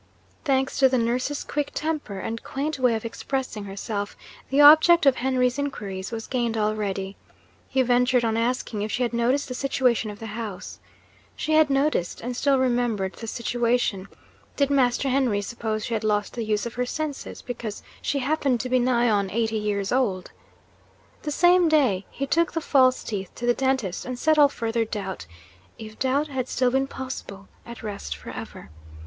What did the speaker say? Thanks to the nurse's quick temper and quaint way of expressing herself, the object of Henry's inquiries was gained already! He ventured on asking if she had noticed the situation of the house. She had noticed, and still remembered the situation did Master Henry suppose she had lost the use of her senses, because she happened to be nigh on eighty years old? The same day, he took the false teeth to the dentist, and set all further doubt (if doubt had still been possible) at rest for ever.